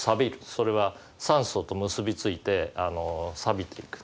それは酸素と結び付いてさびていく。